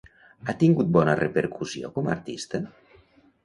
Ha tingut bona repercussió com a artista?